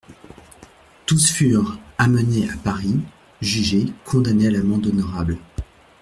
Tous furent amenés à Paris, jugés, condamnés à l'amende honorable.